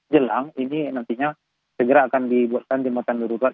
jelang ini nantinya segera akan dibuatkan jembatan darurat